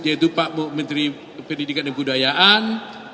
yaitu pak menteri pendidikan dan budayaan